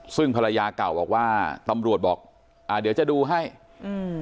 ซึ่งภรรยาเก่าบอกว่าตำรวจบอกอ่าเดี๋ยวจะดูให้อืม